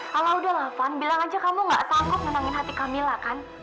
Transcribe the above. kalau udahlah van bilang aja kamu nggak sanggup nenangin hati kamila kan